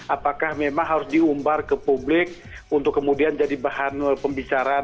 apakah memang harus diumbar ke publik untuk kemudian jadi bahan pembicaraan